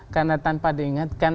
karena tanpa diingatkan